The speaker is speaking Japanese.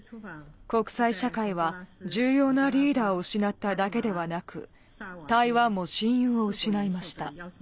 国際社会は重要なリーダーを失っただけではなく、台湾も親友を失いました。